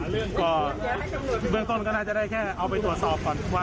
เรื่องก่อนเบื้องต้นก็น่าจะได้แค่เอาไปตรวจสอบก่อนว่า